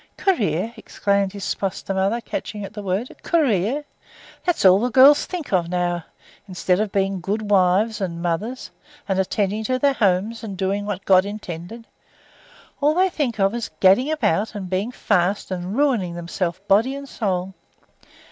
"Career!" exclaimed his foster mother, catching at the word. "Career! That is all girls think of now, instead of being good wives and mothers and attending to their homes and doing what God intended. All they think of is gadding about and being fast, and ruining themselves body and soul.